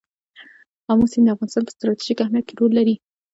آمو سیند د افغانستان په ستراتیژیک اهمیت کې رول لري.